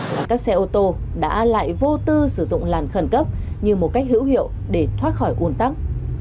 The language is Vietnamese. và các xe ô tô đã lại vô tư sử dụng làn khẩn cấp như một cách hữu hiệu để thoát khỏi un tắc